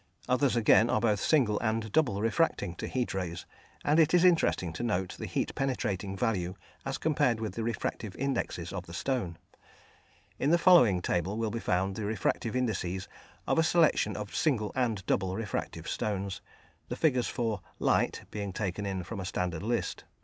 Others, again, are both single and double refracting to heat rays, and it is interesting to note the heat penetrating value as compared with the refractive indexes of the stone. In the following table will be found the refractive indexes of a selection of single and double refractive stones, the figures for "Light" being taken from a standard list.